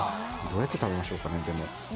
どうやって食べましょうかね？